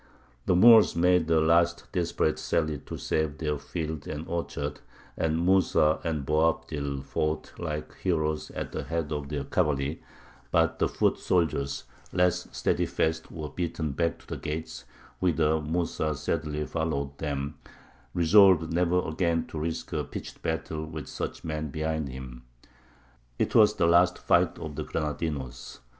The Moors made a last desperate sally to save their fields and orchards, and Mūsa and Boabdil fought like heroes at the head of their cavalry; but the foot soldiers, less steadfast, were beaten back to the gates, whither Mūsa sadly followed them, resolved never again to risk a pitched battle with such men behind him. It was the last fight of the Granadinos.